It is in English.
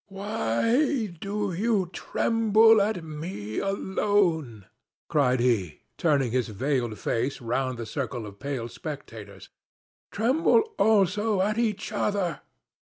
"Why do you tremble at me alone?" cried he, turning his veiled face round the circle of pale spectators. "Tremble also at each other.